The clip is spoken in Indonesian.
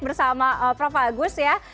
bersama prof agus ya